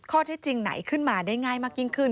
ที่จริงไหนขึ้นมาได้ง่ายมากยิ่งขึ้น